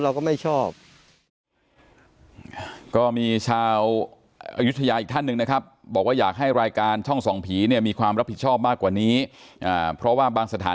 เราก็ไม่ชอบ